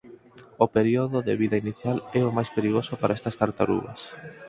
O período de vida inicial é o máis perigoso para estas tartarugas.